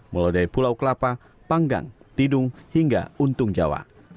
mulai dari pulau kelapa panggang tidung hingga untung jawa